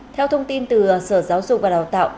theo thông tin từ sở giáo dục và đào tạo